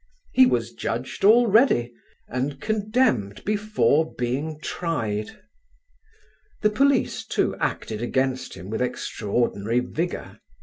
He was judged already and condemned before being tried. The police, too, acted against him with extraordinary vigour.